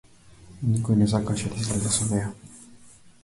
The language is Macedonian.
Никој не сакаше да излезе со неа.